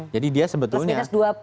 jadi dia sebetulnya